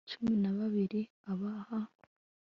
cumi na babiri abaha